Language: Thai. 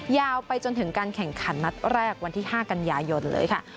ยาวไปจนถึงการแข่งขันนัดแรกวันที่๕กันยายนเลยค่ะ